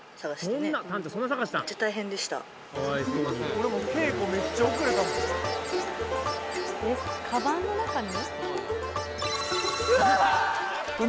俺も稽古めっちゃ遅れたもんえっカバンの中に？